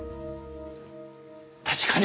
確かに。